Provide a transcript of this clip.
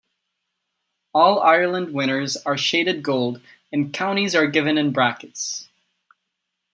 All-Ireland winners are shaded gold, and counties are given in brackets.